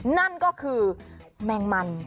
นั่นก็คือแมงมัน